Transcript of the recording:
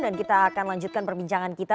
dan kita akan lanjutkan perbincangan kita